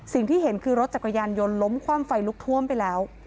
สิ่งที่เห็นคือรถจักรยานยนต์ล้มคว่ำไฟลุกท่วมไปแล้ว